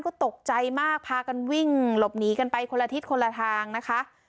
ก็ตกใจมากพากันวิ่งหลบหนีกันไปคนละทิศคนละทางนะคะ